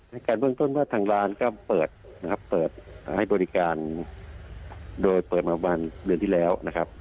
ให้การเบื้องต้นว่าทางร้านก็เปิดนะครับเปิดให้บริการโดยเปิดมาประมาณเดือนที่แล้วนะครับ